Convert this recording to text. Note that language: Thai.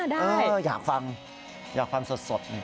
ได้อยากฟังอยากฟังสด